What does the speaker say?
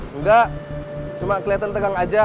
enggak cuma kelihatan tegang aja